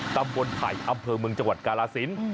ตำบลไผ่อำเภอเมืองจังหวัดกาลสิน